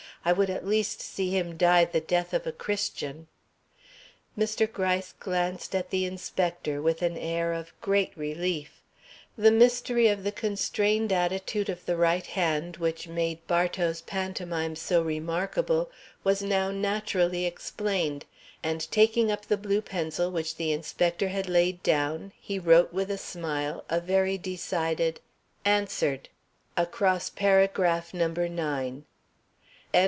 I would at least see him die the death of a Christian.'" Mr. Gryce glanced at the inspector with an air of great relief. The mystery of the constrained attitude of the right hand which made Bartow's pantomime so remarkable was now naturally explained, and taking up the blue pencil which the inspector had laid down, he wrote, with a smile, a very decided "answered" across paragraph No.